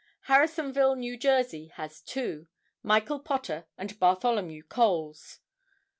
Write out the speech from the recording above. Harrisonville, New Jersey, has two, Michael Potter and Bartholomew Coles.